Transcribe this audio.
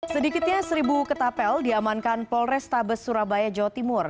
sedikitnya seribu ketapel diamankan polrestabes surabaya jawa timur